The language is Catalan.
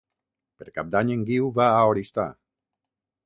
Per Cap d'Any en Guiu va a Oristà.